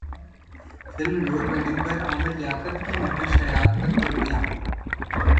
film load wedding پر عامر لیاقت کی مہوش حیات پر تنقید